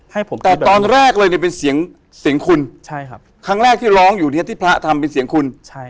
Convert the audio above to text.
ให้ผมแต่ตอนแรกเลยเนี่ยเป็นเสียงเสียงคุณใช่ครับครั้งแรกที่ร้องอยู่เนี่ยที่พระทำเป็นเสียงคุณใช่